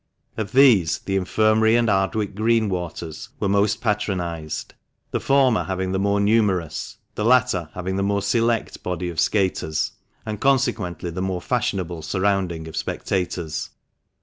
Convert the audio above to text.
Of these, the Infirmary and Ardwick Green waters were most patronised ; the former having the more numerous, the latter having the more select body of skaters, and consequently the more fashionable surrounding of spectators.